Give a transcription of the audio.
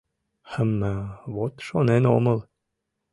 — Хм-м, вот шонен омыл!